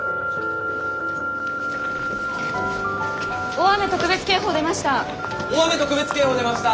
大雨特別警報出ました！